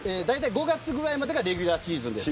５月ぐらいまでがレギュラーシーズンです。